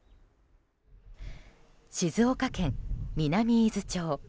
静岡県南伊豆町。